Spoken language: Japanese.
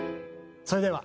それでは。